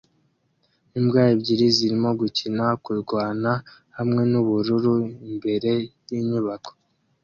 Imbwa ebyiri zirimo gukina-kurwana hamwe nubururu imbere yinyubako